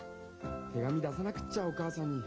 手紙出さなくっちゃおかあさんに。